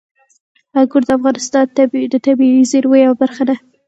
انګور د افغانستان د طبیعي زیرمو یوه برخه ده.